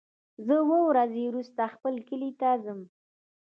زه اووه ورځې وروسته خپل کلی ته ځم.